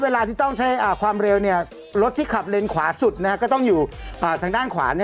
เวลาที่ต้องใช้ความเร็วรถที่ขับเลนขวาสุดก็ต้องอยู่ทางด้านขวา